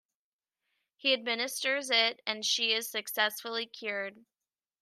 He administers it, and she is successfully cured.